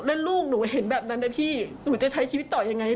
แล้วลูกหนูเห็นแบบนั้นนะพี่หนูจะใช้ชีวิตต่อยังไง